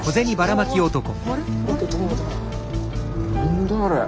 何だあれ？